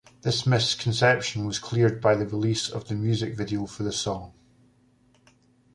This misconception was cleared by the release of the music video for the song.